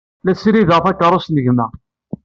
La ssirideɣ takeṛṛust n gma.